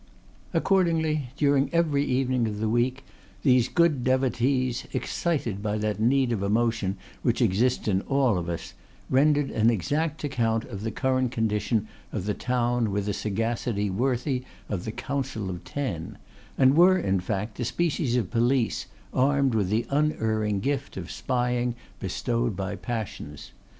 Accordingly, during every evening of the week, these good devotees, excited by that need of emotion which exists in all of us, rendered an exact account of the current condition of the town with a sagacity worthy of the Council of Ten, and were, in fact, a species of police, armed with the unerring gift of spying bestowed by passions.